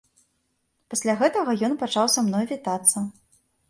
Пасля гэтага ён пачаў са мной вітацца.